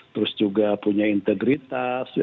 terus juga punya integritas